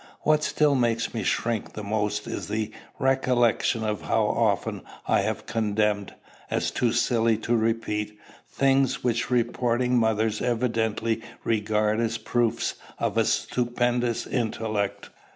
What still makes me shrink the most is the recollection of how often I have condemned, as too silly to repeat, things which reporting mothers evidently regarded as proofs of a stupendous intellect.